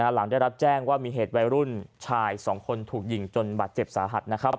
หลังได้รับแจ้งว่ามีเหตุวัยรุ่นชาย๒คนถูกยิงจนบาดเจ็บสาหัส